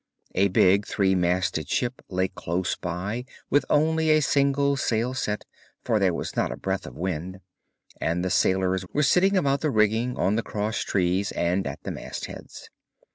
A big three masted ship lay close by with only a single sail set, for there was not a breath of wind, and the sailors were sitting about the rigging, on the cross trees, and at the mast heads.